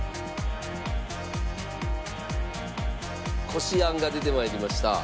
こしあんが出て参りました。